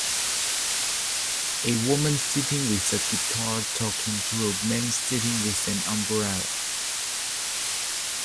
A woman sitting with a guitar talking to a man sitting with an umbrella.